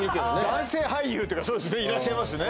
男性俳優っていうかそうですねいらっしゃいますね